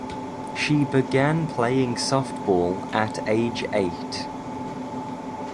She began playing softball at age eight.